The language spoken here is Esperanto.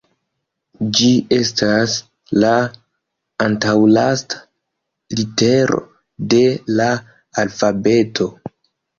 Ĝi estas la antaŭlasta litero de la alfabeto.